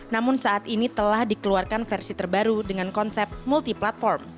namun saat ini telah dikeluarkan versi terbaru dengan konsep multi platform